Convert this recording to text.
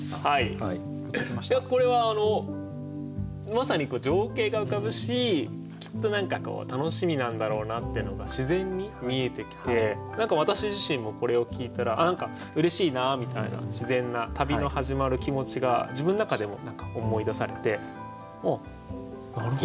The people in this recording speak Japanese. いやこれはまさに情景が浮かぶしきっと何か楽しみなんだろうなってのが自然に見えてきて何か私自身もこれを聞いたら「あっ何かうれしいな」みたいな自然な旅の始まる気持ちが自分の中でも思い出されてあっなるほど。